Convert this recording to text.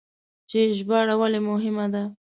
چې ژباړه ولې مهمه ده؟